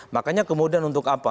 makanya kemudian untuk apa